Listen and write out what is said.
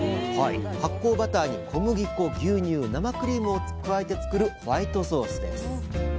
発酵バターに小麦粉牛乳生クリームを加えて作るホワイトソースです。